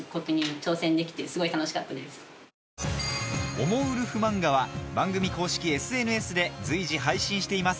おもウルフ漫画は番組公式ＳＮＳで随時配信しています